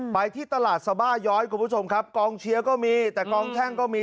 ไปที่ตลาดสบาย้อยคุณผู้ชมครับกองเชียร์ก็มีแต่กองแช่งก็มี